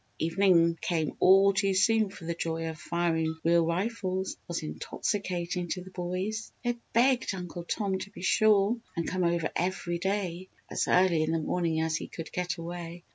Evening came all too soon for the joy of firing real rifles was intoxicating to the boys. They begged Uncle Tom to be sure and come over every day, as early in the morning as he could get away.